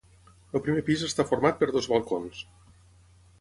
El primer pis està format per dos balcons.